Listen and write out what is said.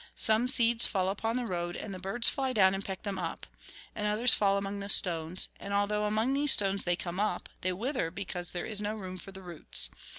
Some seeds fall upon the road, and the birds fly down and peck them up. And others fall among stones ; and although among these stones they come up, they wither, because there is no room for the roots.